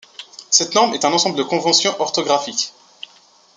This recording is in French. Cette norme est un ensemble de conventions orthographiques.